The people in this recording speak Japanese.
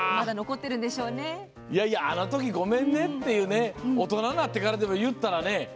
あの時、ごめんねっていう大人になってからでも言ったらね。